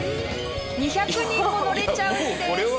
２００人も乗れちゃうんです！